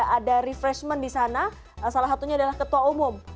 ada refreshment di sana salah satunya adalah ketua umum